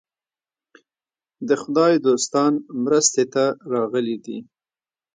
د خدای دوستان مرستې ته راغلي دي.